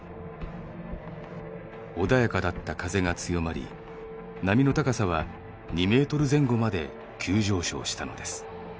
穏やかだった風が強まり波の高さは２メートル前後まで急上昇したのです。